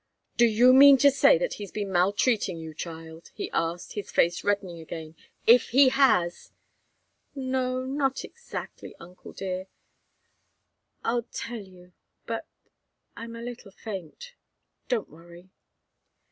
"Do you mean to say that he's been maltreating you, child?" he asked, his face reddening again. "If he has " "No not exactly, uncle dear I'll tell you but I'm a little faint. Don't worry."